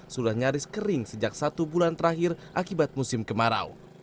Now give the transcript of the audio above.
sudah nyaris kering sejak satu bulan terakhir akibat musim kemarau